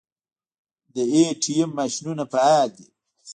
د ای ټي ایم ماشینونه فعال دي؟